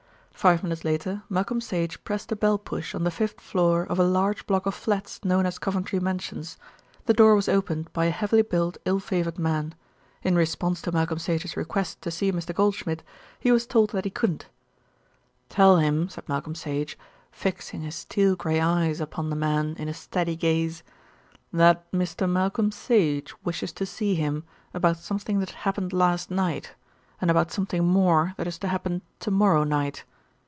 Five minutes later Malcolm Sage pressed a bell push on the fifth floor of a large block of flats known as Coventry Mansions. The door was opened by a heavily built, ill favoured man. In response to Malcolm Sage's request to see Mr. Goldschmidt, he was told that he couldn't. "Tell him," said Malcolm Sage, fixing his steel grey eyes upon the man in a steady gaze, "that Mr. Malcolm Sage wishes to see him about something that happened last night, and about something more that is to happen to morrow night.